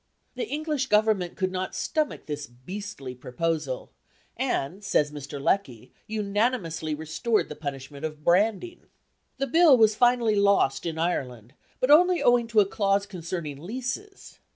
The English Government could not stomach this beastly proposal; and, says Mr. Lecky, unanimously restored the punishment of branding. The Bill was finally lost in Ireland, but only owing to a clause concerning leases.